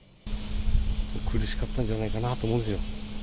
苦しかったんじゃないかと思います。